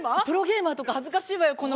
プロゲーマーとか恥ずかしいわよ